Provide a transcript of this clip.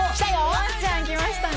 ウアちゃんきましたね！